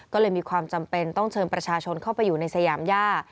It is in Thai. ก็เลยมีความจำเป็นต้องเชิญประชาชนเข้าไปอยู่ในสยามย่า